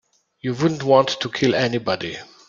You wouldn't want to kill anybody.